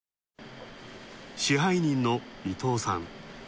支配人の伊藤さん。